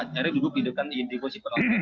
jadi duduk di dekat di kursi pengacara